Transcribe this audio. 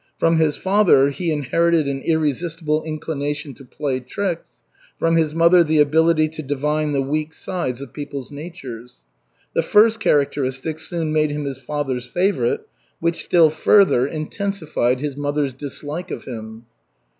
From his father he inherited an irresistible inclination to play tricks, from his mother the ability to divine the weak sides of people's natures. The first characteristic soon made him his father's favorite, which still further intensified his mother's dislike of him.